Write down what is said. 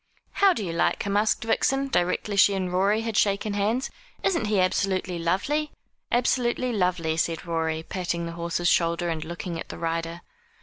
"How do you like him?" asked Vixen, directly she and Rorie had shaken hands. "Isn't he absolutely lovely?' "Absolutely lovely," said Rorie, patting the horse's shoulder and looking at the rider.